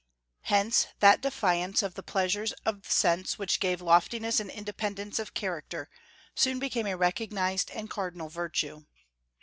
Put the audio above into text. Hence that defiance of the pleasures of sense which gave loftiness and independence of character soon became a recognized and cardinal virtue.